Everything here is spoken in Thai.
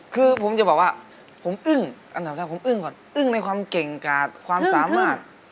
คือผมจะบอกว่าผมอึ้งอันดับแรกผมอึ้งก่อนอึ้งในความเก่งกาดความสามารถ